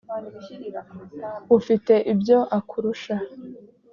ufite ibyo akurusha